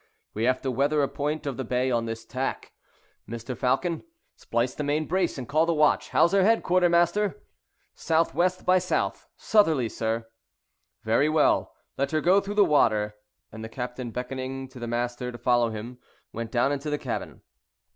We have to weather a point of the bay on this tack. Mr. Falcon, splice the main brace, and call the watch. How's her head, quartermaster?" "S.W. by S. Southerly, sir." "Very well; let her go through the water;" and the captain, beckoning to the master to follow him, went down into the cabin.